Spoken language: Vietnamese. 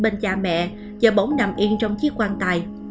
bên cha mẹ giờ bỗng nằm yên trong chiếc quan tài